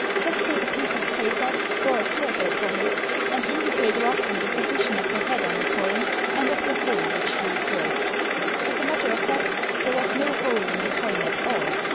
Just take a piece of paper, draw a circle upon it, and indicate roughly the position of the head on the coin and of the hole which you observed." As a matter of fact there was no hole in the coin at all.